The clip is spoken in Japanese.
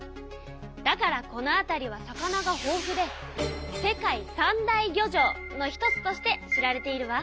だからこの辺りは魚がほうふで世界三大漁場の一つとして知られているわ。